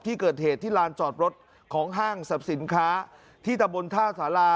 ที่เกิดเหตุที่ลานจอดรถของห้างสรรพสินค้าที่ตะบนท่าสารา